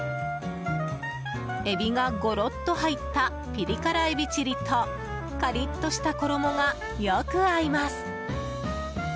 エビがごろっと入ったピリ辛エビチリとカリっとした衣がよく合います。